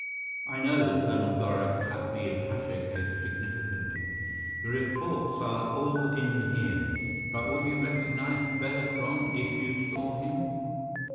"I know." Colonel Gorak tapped the attache case significantly. "The reports are all in here. But would you recognize Bela Kron if you saw him?"